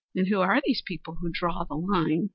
And who are these people who draw the line?"